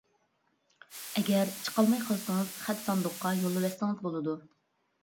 ئەگەر چىقالماي قالسىڭىز خەت ساندۇققا يوللىۋەتسىڭىز بولىدۇ.